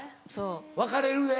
「別れる」で？